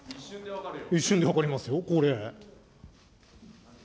一瞬で分かりますよ、これ。